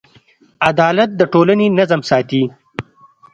عدالت د ټولنې نظم ساتي.